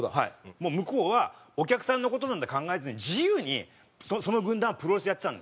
もう向こうはお客さんの事なんて考えずに自由にその軍団はプロレスやってたんですって。